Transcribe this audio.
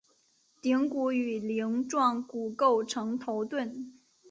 顶骨与鳞状骨构成头盾。